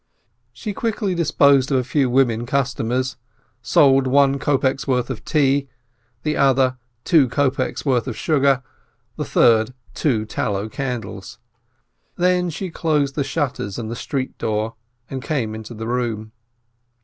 She quickly disposed of a few women customers : sold one a kopek's worth of tea, the other, two kopeks' worth of sugar, the third, two tallow candles. Then she closed the shutters and the street door, and came into the room.